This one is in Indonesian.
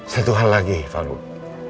satu hal lagi faruk